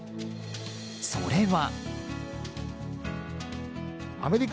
それは。